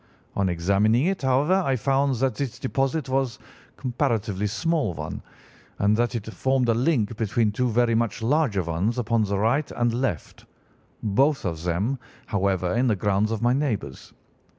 On examining it, however, I found that this deposit was a comparatively small one, and that it formed a link between two very much larger ones upon the right and left—both of them, however, in the grounds of my neighbours.